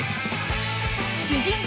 主人公